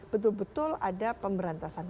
betul betul ada pemberantasan